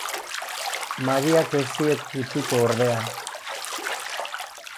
Mariak ez ziek utziko ordea.